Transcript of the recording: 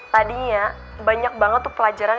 tadinya banyak banget pelajaran